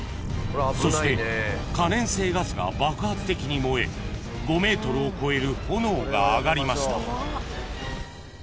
［そして可燃性ガスが爆発的に燃え５ｍを超える炎が上がりました］